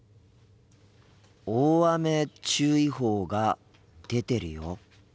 大雨注意報が出てるよ。